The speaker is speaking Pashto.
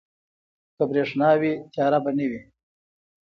که برښنا وي، تیاره به نه وي.